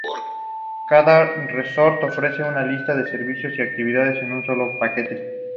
Cada resort ofrece una lista de servicios y actividades en un solo paquete.